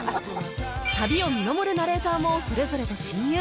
旅を見守るナレーターもそれぞれと親友